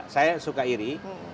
saya suka iri